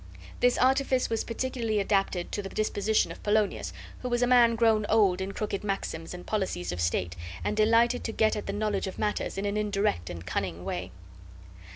This artifice was particularly adapted to the disposition of Polonius, who was a man grown old in crooked maxims and policies of state, and delighted to get at the knowledge of matters in an indirect and cunning way.